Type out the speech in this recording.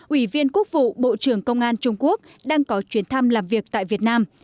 ủy viên quốc vụ bộ trưởng công an trung quốc đang có chuyến thăm làm việc tại việt nam